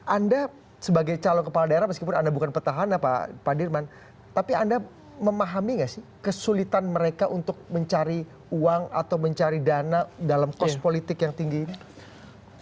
anda sebagai calon kepala daerah meskipun anda bukan petahana pak dirman tapi anda memahami nggak sih kesulitan mereka untuk mencari uang atau mencari dana dalam kos politik yang tinggi ini